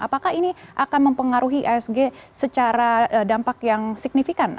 apakah ini akan mempengaruhi isg secara dampak yang signifikan